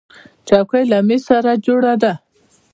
چوکۍ له مېز سره جوړه ده.